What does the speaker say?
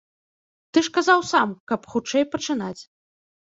Ты ж казаў сам, каб хутчэй пачынаць.